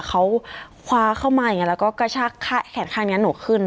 เขาคว้าเข้ามาอย่างนี้แล้วก็กระชากแขนข้างนี้หนูขึ้น